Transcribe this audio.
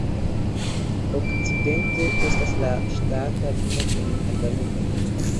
Okcidente estas la ŝtata limo kun Albanio.